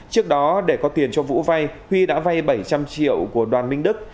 trước đó để có tiền cho vũ vay huy đã vay bảy trăm linh triệu của đoàn minh đức